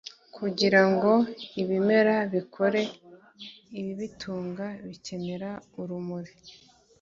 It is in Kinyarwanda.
Kugira ngo ibimera bikore ibibitunga bikenera urumuri